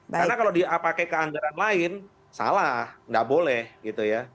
karena kalau dia pakai ke anggaran lain salah nggak boleh gitu ya